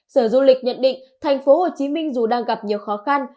sở du lịch nhận định tp hcm dù đang gặp nhiều khó khăn